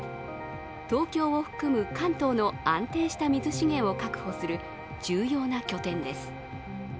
東京を含む関東の安定した水資源を確保する重要な拠点です。